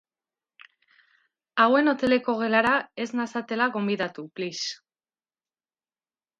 Hauen hoteleko gelara ez nazatela gonbidatu, please.